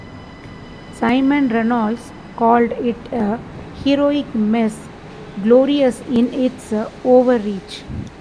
Simon Reynolds called it a heroic mess, glorious in its overreach.